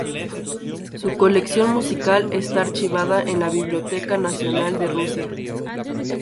Su colección musical está archivada en la Biblioteca Nacional de Rusia.